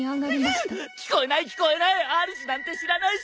聞こえない聞こえない！